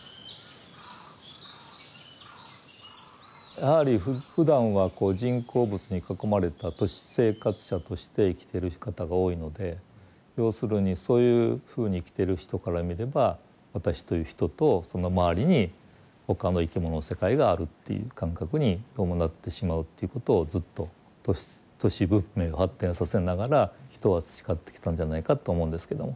やはりふだんはこう人工物に囲まれた都市生活者として生きてる方が多いので要するにそういうふうに生きてる人から見れば私という人とその周りに他の生き物の世界があるという感覚にどうもなってしまうということをずっと都市文明を発展させながら人は培ってきたんじゃないかと思うんですけども。